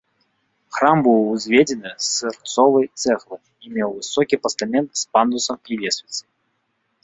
Храм быў узведзены з сырцовай цэглы і меў высокі пастамент з пандусам і лесвіцай.